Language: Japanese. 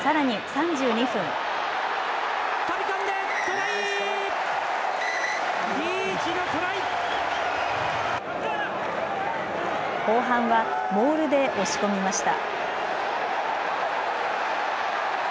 飛び込んでトライ後半はモールで押し込みました。